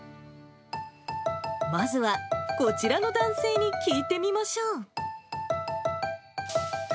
まずは、こちらの男性に聞いてみましょう。